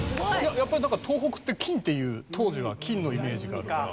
やっぱりなんか東北って金っていう当時は金のイメージがあるから。